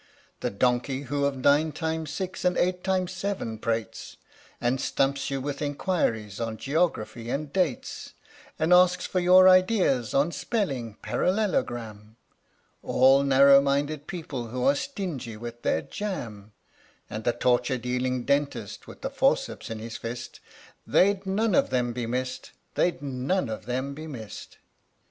The donkey who of nine times six and eight times seven prates, And stumps you with enquiries on geography and dates, And asks for your ideas on spelling " parallelogram," All narrow minded people who are stingy with their jam, And the torture dealing dentist, with the forceps in his fist They'd none of them be missed they'd none of them be missed.